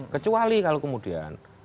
kecuali kalau kemudian